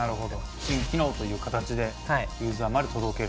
新機能という形でユーザーまで届ける。